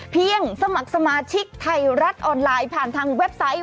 สมัครสมาชิกไทยรัฐออนไลน์ผ่านทางเว็บไซต์